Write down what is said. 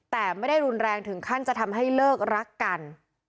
แต่ไม่ได้รุนแรงถึงขั้นจะทำให้เลิกรักกัน